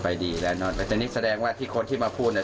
ดีแล้วเนอะแต่นี่แสดงว่าที่คนที่มาพูดเนี่ย